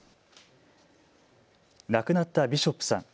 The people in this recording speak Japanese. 亡くなったビショップさん。